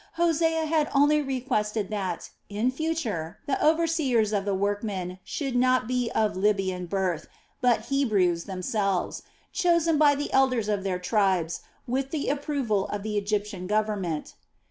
Hosea had only requested that, in future, the overseers of the workmen should not be of Libyan birth, but Hebrews themselves, chosen by the elders of their tribes with the approval of the Egyptian government.